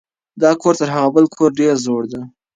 دا کور تر هغه بل کور ډېر زوړ دی.